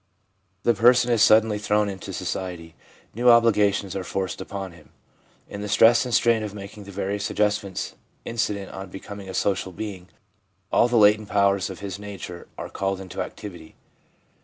The person is suddenly thrown into society. New obli gations are forced upon him. In the stress and strain of making the various adjustments incident on becom ing a social being, all the latent powers of his nature are called into activity.